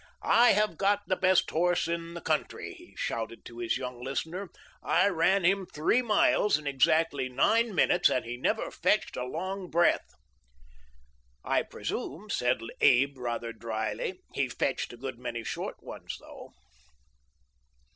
"' I have got the best horse in the country '" he shouted to his young listener. "' I ran him three miles in exactly nine minutes, and he never fetched a long breath.' ""' I presume, 'said Abe, rather dryly, 'he fetched a good many short ones though.'